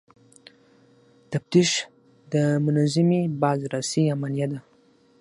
تفتیش د منظمې بازرسۍ عملیه ده.